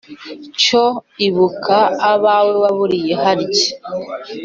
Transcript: cyo ibuka abawe waburiye harya